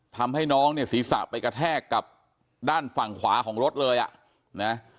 ทำให้น้องเนี่ยศีรษะไปกระแทกกับด้านฝั่งขวาของรถเลยอ่ะนะ